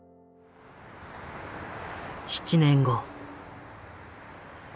７年後。